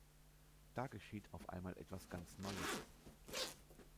Da geschieht auf einmal etwas ganz Neues.